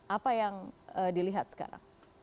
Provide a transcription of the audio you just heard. apa yang dilihat sekarang